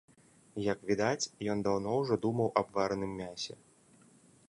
Як відаць, ён даўно ўжо думаў аб вараным мясе.